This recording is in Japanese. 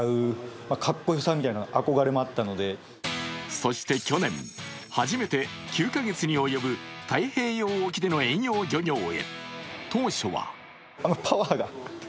そして去年、始めて９か月に及ぶ太平洋沖での遠洋漁業へ。